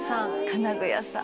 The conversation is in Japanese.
「金具屋さん」